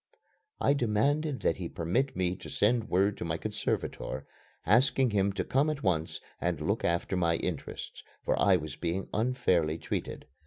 I demanded that he permit me to send word to my conservator asking him to come at once and look after my interests, for I was being unfairly treated.